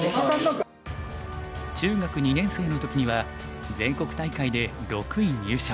中学２年生の時には全国大会で６位入賞。